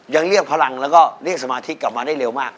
เรียกพลังแล้วก็เรียกสมาธิกกลับมาได้เร็วมาก